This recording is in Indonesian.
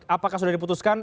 apakah sudah diputuskan